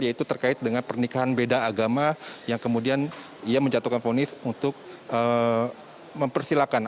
yaitu terkait dengan pernikahan beda agama yang kemudian ia menjatuhkan ponis untuk mempersilahkan